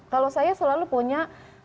kalau saya selalu punya